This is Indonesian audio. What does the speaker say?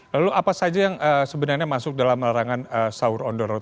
lalu apa saja yang sebenarnya masuk dalam larangan sahur on the road